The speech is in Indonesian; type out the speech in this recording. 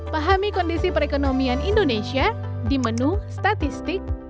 pahami kondisi perekonomian indonesia di menu statistik